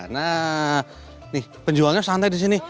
nah nih penjualnya santai disini